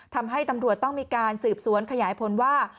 ทำให้ตำรวจต้องมีการสืบสวนขยายผลว่า